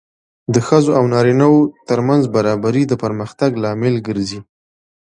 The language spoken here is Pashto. د ښځو او نارینه وو ترمنځ برابري د پرمختګ لامل ګرځي.